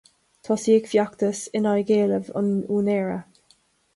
Tosaíodh feachtas in aghaidh éileamh an úinéara.